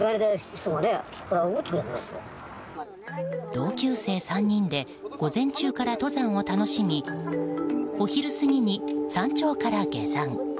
同級生３人で午前中から登山を楽しみお昼過ぎに山頂から下山。